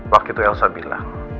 waktu itu elsa bilang